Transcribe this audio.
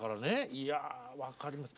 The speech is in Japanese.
いや分かります。